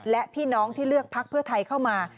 และพี่น้องที่เลือกพักเพื่อไทยเข้ามา